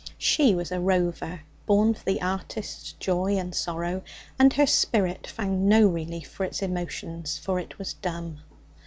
She was a rover, born for the artist's joy and sorrow, and her spirit found no relief for its emotions; for it was dumb.